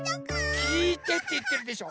きいてっていってるでしょ。